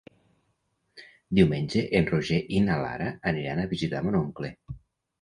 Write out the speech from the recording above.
Diumenge en Roger i na Lara aniran a visitar mon oncle.